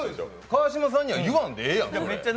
川島さんには言わんでええやん。